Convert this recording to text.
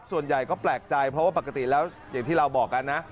ส่วนใหญ่ก็แปลกใจเพราะว่าปกติแล้วอย่างที่เราบอกกันนะ